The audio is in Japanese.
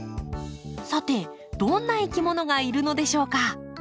さてどんないきものがいるのでしょうか？